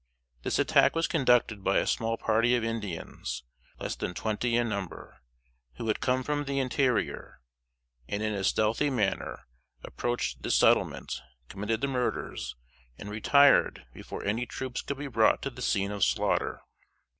This attack was conducted by a small party of Indians, less than twenty in number, who had come from the interior, and in a stealthy manner approached this settlement, committed the murders, and retired before any troops could be brought to the scene of slaughter.